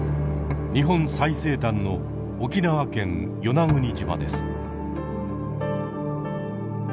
日本最西端の沖縄県与那国島です。